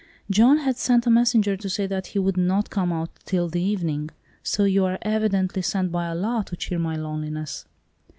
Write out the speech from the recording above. John had sent a messenger to say that he would not come out till the evening. So you are evidently sent by Allah to cheer my loneliness."